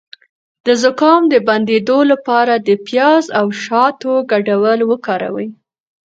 د زکام د بندیدو لپاره د پیاز او شاتو ګډول وکاروئ